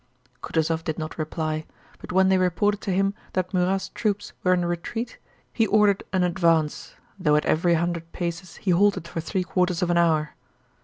Kutúzov did not reply, but when they reported to him that Murat's troops were in retreat he ordered an advance, though at every hundred paces he halted for three quarters of an hour.